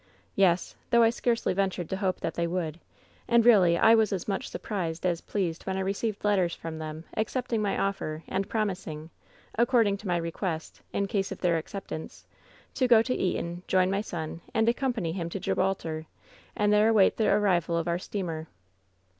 "^ Yes ; though I scarcely ventured to hope that they would. And really I was as much surprised as pleased when I received letters from them accepting my offer and promising — according to my request, in case of their acceptance — to go to Eton, join my son and accompany him to Gibraltar, and there await the arrival of our steamer.'